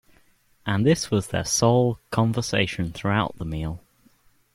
And this was their sole conversation throughout the meal.